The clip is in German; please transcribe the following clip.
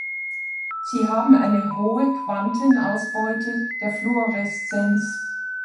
Sie haben eine hohe Quantenausbeute der Fluoreszenz.